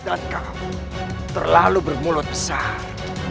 dan kau terlalu bermulut besar